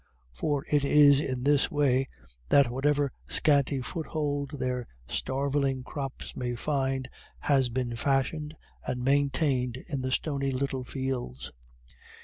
For it is in this way that whatever scanty foothold their starveling crops may find, has been fashioned and maintained in the stony little fields.